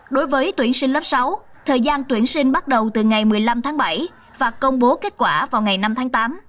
đối với tuyển sinh lớp sáu thời gian tuyển sinh bắt đầu từ ngày một mươi năm tháng bảy và công bố kết quả vào ngày năm tháng tám